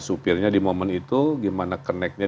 supirnya di momen itu gimana connectnya